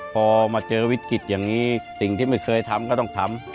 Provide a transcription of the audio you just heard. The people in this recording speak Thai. พอมาเจอวิกฤตอย่างนี้สิ่งที่ไม่เคยทำก็ต้องทำ